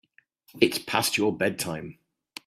It's past your bedtime.